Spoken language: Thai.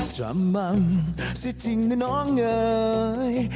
จ่ำม่ำแฟ้ทิจิาโดยน้องเอ๋ย